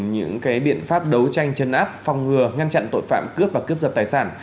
những biện pháp đấu tranh chấn áp phòng ngừa ngăn chặn tội phạm cướp và cướp giật tài sản